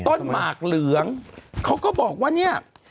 หมากเหลืองเขาก็บอกว่าเนี่ย